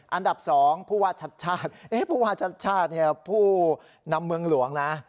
อันดับสองผู้วาชชาติผู้วาชชาติเนี่ยผู้นำเมืองหลวงนะ